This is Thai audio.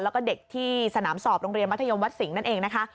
แล้วก็เด็กที่สนามสอบโรงเรียนมัธยมวัดสิงห์นั่นเองนะคะ